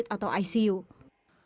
ada yang mencari unit atau icu